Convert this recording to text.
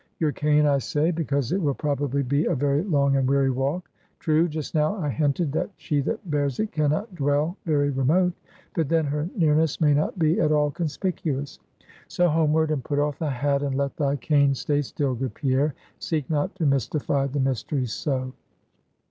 Your cane, I say; because it will probably be a very long and weary walk. True, just now I hinted, that she that bears it can not dwell very remote; but then her nearness may not be at all conspicuous. So, homeward, and put off thy hat, and let thy cane stay still, good Pierre. Seek not to mystify the mystery so.